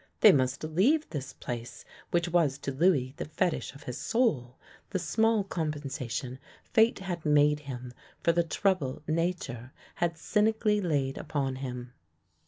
They must leave this place which was to Louis the fe tish of his soul, the small compensation fate had made him for the trouble nature had cynically laid upon him.